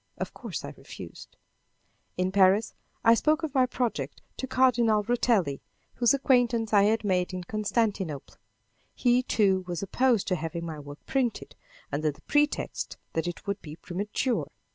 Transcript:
Of course, I refused. In Paris I spoke of my project to Cardinal Rotelli, whose acquaintance I had made in Constantinople. He, too, was opposed to having my work printed, under the pretext that it would be premature.